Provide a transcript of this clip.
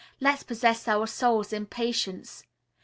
Let's possess our souls in patience.